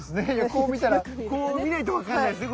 こう見たらこう見ないと分かんないですね